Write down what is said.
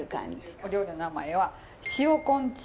お料理の名前はお。